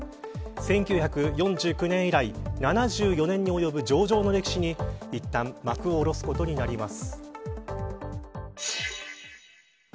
１９４９年以来７４年に及ぶ上場の歴史にいったん幕を下ろすことになります。